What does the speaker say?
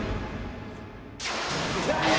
残念！